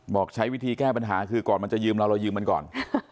บอกใช้วิธีแก้ปัญหาคือก่อนมันจะยืมเราเรายืมมันก่อน